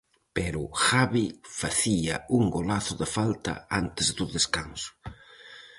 Pero Javi facía un golazo de falta antes do descanso.